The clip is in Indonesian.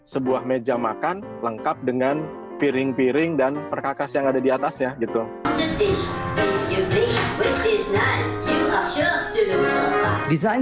sebuah meja makan lengkap dengan piring piring dan perkakas yang ada di atasnya gitu desain